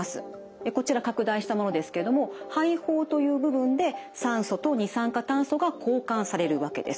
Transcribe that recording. こちら拡大したものですけれども肺胞という部分で酸素と二酸化炭素が交換されるわけです。